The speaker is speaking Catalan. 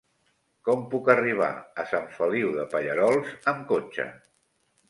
Com puc arribar a Sant Feliu de Pallerols amb cotxe?